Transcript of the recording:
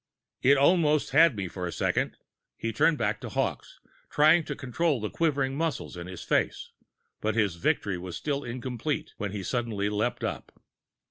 "It it almost had me for a second." He turned back to Hawkes, trying to control the quivering muscles in his face. But his victory was still incomplete when he suddenly leaped up.